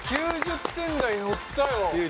９０点台乗ったよ。